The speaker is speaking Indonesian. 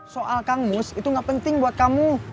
soal kang mus itu gak penting buat kamu